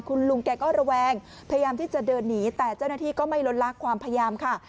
คุณลุงแกก็ระแวงพยายามที่จะเดินหนีแต่เจ้าหน้าที่ก็ไม่ลดลากความพยายามค่ะ